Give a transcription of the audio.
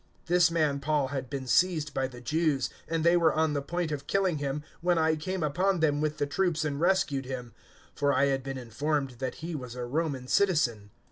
023:027 This man Paul had been seized by the Jews, and they were on the point of killing him, when I came upon them with the troops and rescued him, for I had been informed that he was a Roman citizen.